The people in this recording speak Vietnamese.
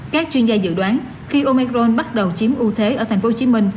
các chuyên gia dự đoán khi omecron bắt đầu chiếm ưu thế ở tp hcm